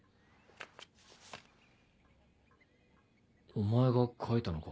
お前が書いたのか？